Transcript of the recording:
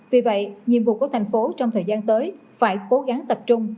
vì vậy nhiệm vụ của thành phố trong thời gian tới phải cố gắng tập trung